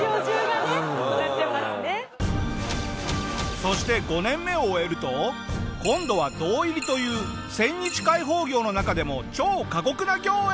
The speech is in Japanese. そして５年目を終えると今度は堂入りという千日回峰行の中でも超過酷な行へ。